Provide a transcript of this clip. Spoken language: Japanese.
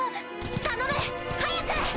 頼む早く！